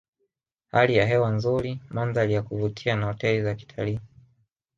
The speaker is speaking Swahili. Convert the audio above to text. Hali ya hewa nzuri mandhari ya kuvutia na hoteli za kitalii